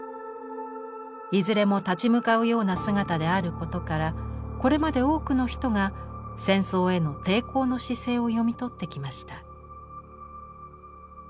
いずれも立ち向かうような姿であることからこれまで多くの人が戦争への抵抗の姿勢を読み取ってきました。